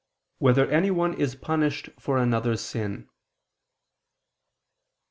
8] Whether Anyone Is Punished for Another's Sin?